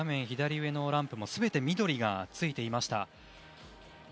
左上のランプもすべて緑がついていました。